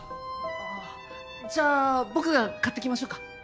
ああじゃあ僕が買ってきましょうか？